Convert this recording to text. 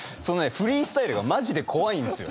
フリースタイルがマジで怖いんですよ。